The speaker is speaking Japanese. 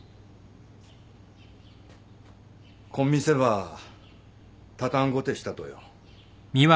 こん店ば畳んごてしたとよ。